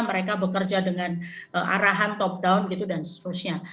mereka bekerja dengan arahan top down gitu dan seterusnya